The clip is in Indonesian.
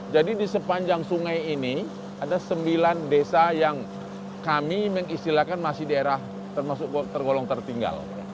jadi di sepanjang sungai ini ada sembilan desa yang kami mengistilahkan masih di era termasuk tergolong tertinggal